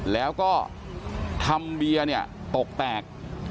แล้วก็ทำเบียตกแตก